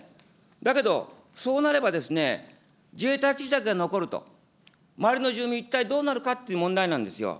だけど、そうなればですね、自衛隊基地だけ残ると、周りの住民、一体どうなるかっていう問題なんですよ。